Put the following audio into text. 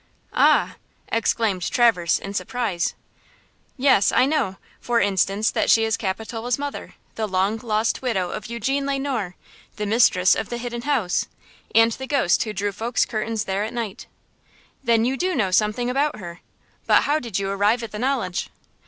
"Ah!" exclaimed Traverse, in surprise. "Yes! I know, for instance, that she is Capitola's mother, the long lost widow of Eugene Le Noir, the mistress of the Hidden House, and the ghost who drew folks' curtains there at night." "Then you do know something about her, but how did you arrive at the knowledge?"